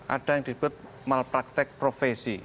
ada yang disebut malpraktek profesi